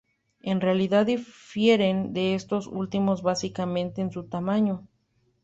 En realidad difieren de estos últimos básicamente en su tamaño.